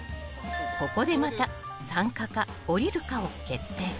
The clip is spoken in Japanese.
ここでまた参加か降りるかを決定。